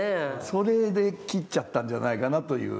それで切っちゃったんじゃないかなという。